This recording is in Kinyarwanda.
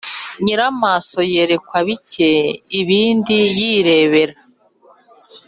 Nyiramaso yerekwa bike ibindi yirebera.